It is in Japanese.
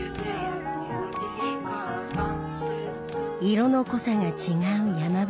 色の濃さが違う山吹色。